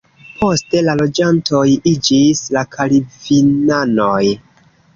Poste la loĝantoj iĝis kalvinanoj.